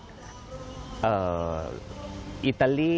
อิตาลีเยอราโนมัติ